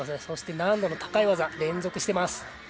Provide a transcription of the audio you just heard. そして、難度の高い技を連続しています。